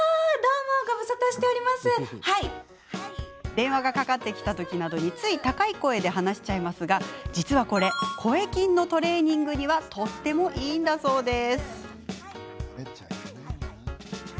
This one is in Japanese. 電話がかかってきた時などについ高い声で話しちゃいますが実は、これ声筋のトレーニングにはとってもいいんだそうです。